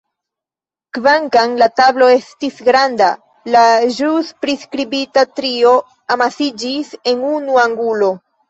Kvankam la tablo estis granda, la ĵus priskribita trio amasiĝis en unu angulo.